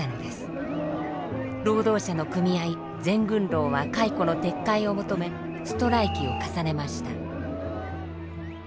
労働者の組合全軍労は解雇の撤回を求めストライキを重ねました。